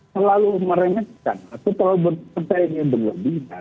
selalu meremehkan atau kalau perkainannya berlebih